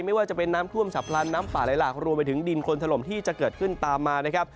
ไม่ว่าจะเป็นน้ำท่วมฉับพลันน้ำป่าไหลหลากรวมไปถึงดินคนถล่มที่จะเกิดขึ้นตามมานะครับ